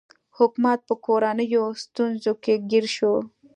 حکومت په کورنیو ستونزو کې ګیر شو.